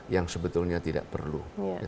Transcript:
yang sebetulnya tidak perlu